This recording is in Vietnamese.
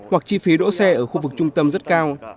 hoặc chi phí đỗ xe ở khu vực trung tâm rất cao